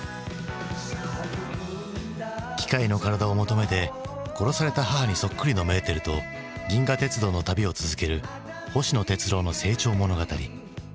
機械の体を求めて殺された母にそっくりのメーテルと銀河鉄道の旅を続ける星野鉄郎の成長物語。